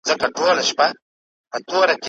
دی د تفتيش په حال کې و.